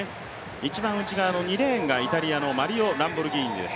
一番内側のイタリアマリオ・ランボルギーニです。